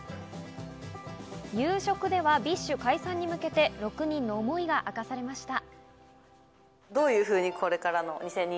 夕食ではＢｉＳＨ解散に向けて６人の思いが明かされました。